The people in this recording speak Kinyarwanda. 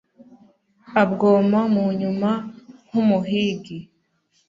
abwoma mu nyuma nk'umuhigi